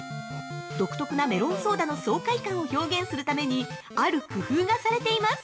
独特なメロンソーダの爽快感を表現するためにある工夫がされています。